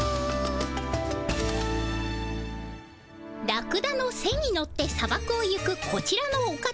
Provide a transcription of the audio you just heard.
ラクダの背に乗って砂漠を行くこちらのお方。